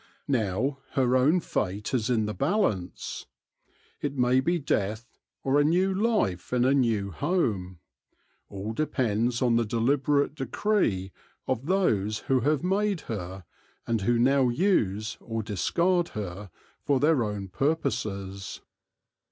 Now her own fate is in the balance. It may be death, or a new life in a new home : all depends on the deliberate decree of those who have made her, and who now use or discard her, for their own pur poses.